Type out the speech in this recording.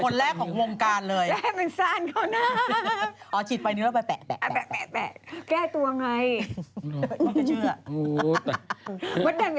นี่แหละคนแรกของวงการเลย